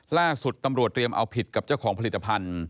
ล่าสุดตำรวจเรียมเอาผิดกับเจ้าของผลิตภัณฑ์